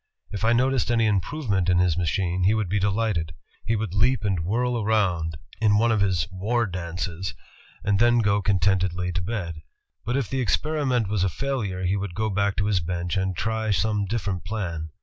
If I noticed any improvement in his machine, he would be delighted. He would leap and whirl around in 238 INVENTIONS OF PRINTING AND COMMUNICATION one of his *war dances/ and then go contentedly to bed. But if the experiment was a failure, he would go back to his bench and try some different plan."